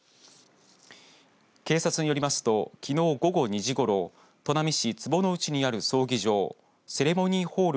警察によりますときのう午後２時ごろ砺波市坪内にある葬儀場セレモニーホール